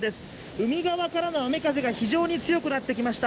海側からの雨風が非常に強くなってきました。